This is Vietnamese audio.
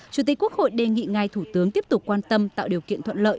chủ tịch quốc hội đề nghị ngài thủ tướng tiếp tục quan tâm tạo điều kiện thuận lợi